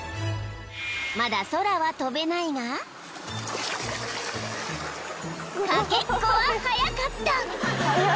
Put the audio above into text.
［まだ空は飛べないが駆けっこは速かった］